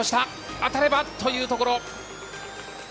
当たればというところ。